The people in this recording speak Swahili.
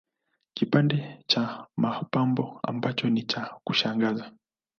Kipande cha mapambo ambacho ni cha kushangaza